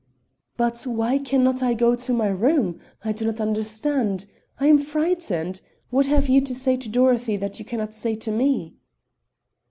"But why can not I go to my room? I do not understand I am frightened what have you to say to Dorothy you can not say to me?"